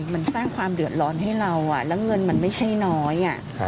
มันสร้างความเดือดร้อนให้เราแล้วเงินมันไม่ใช่น้อย